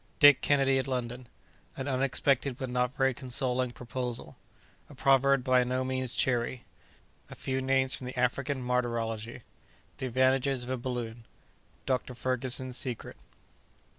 —Dick Kennedy at London.—An unexpected but not very consoling Proposal.—A Proverb by no means cheering.—A few Names from the African Martyrology.—The Advantages of a Balloon.—Dr. Ferguson's Secret.